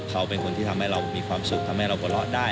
เขาเป็นคนที่ทำให้เรามีความสุขทำให้เราหัวเราะได้